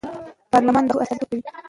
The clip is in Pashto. پارلمان د خلکو استازیتوب کوي